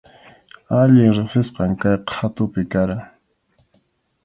Allin riqsisqam kay qhatupi karqan.